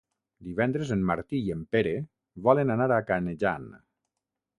Divendres en Martí i en Pere volen anar a Canejan.